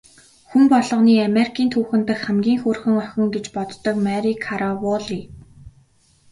Хүн болгоны Америкийн түүхэн дэх хамгийн хөөрхөн охин гэж боддог Мари Караволли.